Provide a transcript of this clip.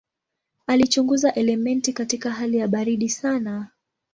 Alichunguza elementi katika hali ya baridi sana.